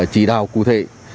chỉ đào cụ thể